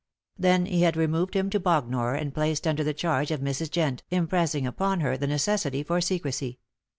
Then he had him removed to Bognor and placed under the charge of Mrs. Jent, impressing upon her the necessity for secrecy.